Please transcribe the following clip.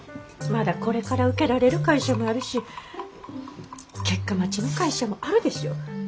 まだこれから受けられる会社もあるし結果待ちの会社もあるでしょ。